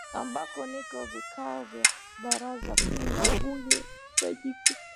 ambako ndiko vikao vya baraza kuu la bunge hufanyika